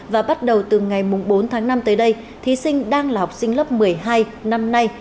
và bắt đầu từ ngày bốn tháng năm tới đây thí sinh đang là học sinh lớp một mươi hai năm nay